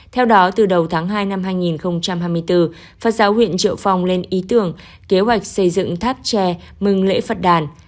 theo đó từ đầu tháng hai năm hai nghìn hai mươi bốn phật giáo huyện triệu phong lên ý tưởng kế hoạch xây dựng tháp tre mừng lễ phật đàn